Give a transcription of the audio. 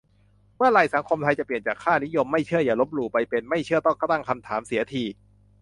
เมื่อไหร่สังคมไทยจะเปลี่ยนจากค่านิยม "ไม่เชื่ออย่าลบหลู่" ไปเป็น "ไม่เชื่อต้องตั้งคำถาม" เสียที